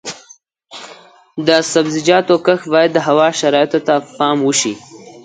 د سبزیجاتو کښت باید د هوا شرایطو ته په پام وشي.